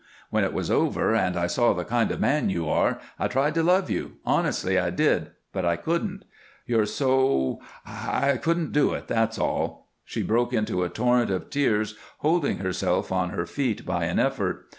When it was over and I saw the kind of man you are I tried to love you honestly I did, but I couldn't. You're so I I couldn't do it, that's all." She broke into a torrent of tears, holding herself on her feet by an effort.